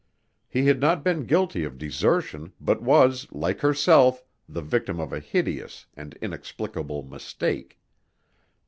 He had not been guilty of desertion, but was, like herself, the victim of a hideous and inexplicable mistake.